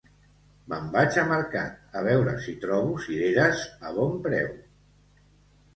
Me'n vaig a mercat a veure si trobo cireres a bon preu